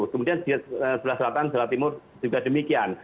kemudian sebelah selatan selatan timur juga demikian